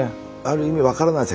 ある意味分からない